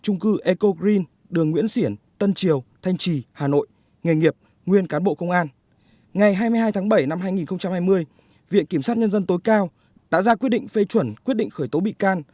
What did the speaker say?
ngày hai mươi hai tháng bảy năm hai nghìn hai mươi viện kiểm sát nhân dân tối cao đã ra quyết định phê chuẩn quyết định khởi tố bị can